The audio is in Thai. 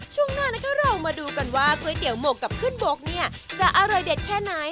ช่วงหน้านะคะเรามาดูกันว่าก๋วยเตี๋ยวหมกกับขึ้นบกเนี่ยจะอร่อยเด็ดแค่ไหน